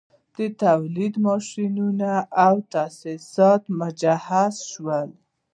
د تولید ماشینونه او تاسیسات مجهز شي